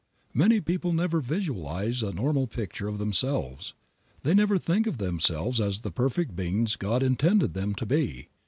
Many people never visualize a normal picture of themselves. They never think of themselves as the perfect beings God intended them to be.